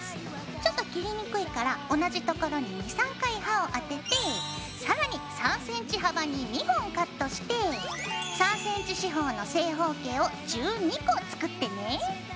ちょっと切りにくいから同じところに２３回刃を当てて更に３ｃｍ幅に２本カットして３ｃｍ四方の正方形を１２個作ってね。